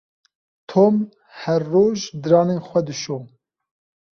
Tom her roj diranên xwe dişo.